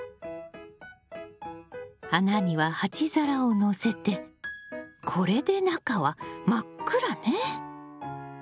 穴には鉢皿を載せてこれで中は真っ暗ね。